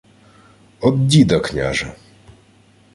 — Од діда, княже.